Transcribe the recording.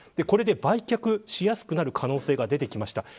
これで売却しやすくなる可能性が出てきました。